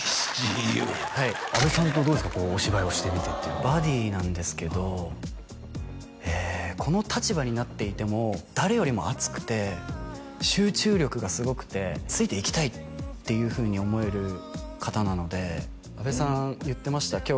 阿部さんとどうですかお芝居をしてみてバディなんですけどこの立場になっていても誰よりも熱くて集中力がすごくてついていきたいっていうふうに思える方なので阿部さん言ってました